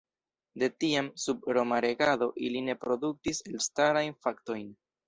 De tiam, sub roma regado, ili ne produktis elstarajn faktojn.